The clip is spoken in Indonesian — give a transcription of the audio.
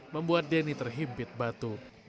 membuat denny terhimpit batu